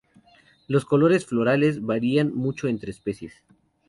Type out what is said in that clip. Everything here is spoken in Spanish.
Los colores florales varían mucho entre especies.